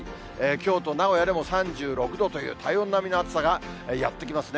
京都、名古屋でも３６度という体温並みの暑さがやって来ますね。